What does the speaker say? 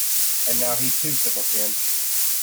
And now he too could look in.